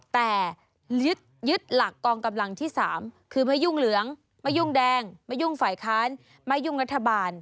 แต่ยึดหลักกองกำลังที่๓คือไม่ยุ่งเหลืองไม่ยุ่งแดงไม่ยุ่งฝ่ายค้านไม่ยุ่งรัฐบาล